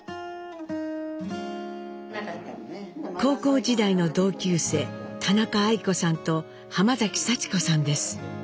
高校時代の同級生田中愛子さんと濱幸子さんです。